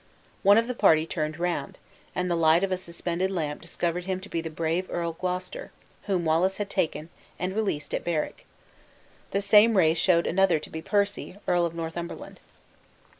One of the party turned round, and the light of a suspended lamp discovered him to be the brave Earl Gloucester, whom Wallace had taken, and released at Berwick. The same ray showed another to be Percy, Earl of Northumberland.